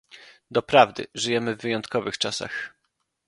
Doprawdy, żyjemy w wyjątkowych czasach